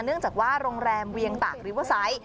เนื่องจากว่าโรงแรมเวียงตากลิเวอร์ไซต์